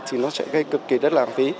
thì nó sẽ gây cực kì rất là lạng phí